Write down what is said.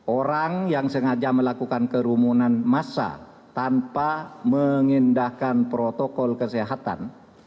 orang yang sengaja melakukan kerumunan massa tanpa mengindahkan protokol kesehatan